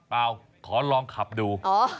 เปล่าขอลองขับดู